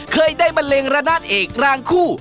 เคยได้บันเลงระนาดเอกรางคู่